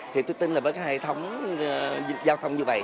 thì tôi tin là với cái hệ thống giao thông như vậy